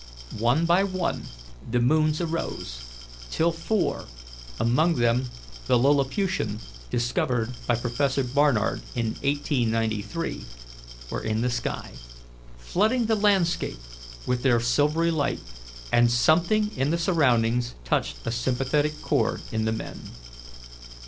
One by one the moons arose, till four among them the Lilliputian, discovered by Prof. Barnard in 1893 were in the sky, flooding the landscape with their silvery light, and something in the surroundings touched a sympathetic cord in the men.